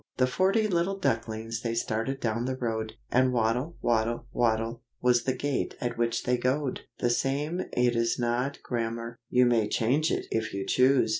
The forty little ducklings they started down the road, And waddle, waddle, waddle, was the gait at which they goed, The same it is not grammar, you may change it if you choose!